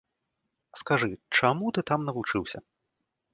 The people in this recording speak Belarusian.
Скажы, чаму ты там навучыўся?